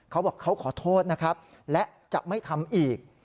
เขาบอกเขาขอโทษนะครับและจะไม่ทำอีก